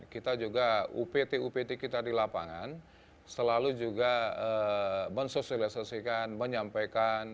kita juga upt upt kita di lapangan selalu juga mensosialisasikan menyampaikan